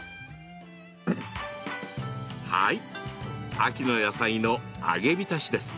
秋の野菜の揚げ浸しです。